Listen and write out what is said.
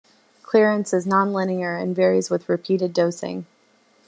Clearance is nonlinear and varies with repeated dosing.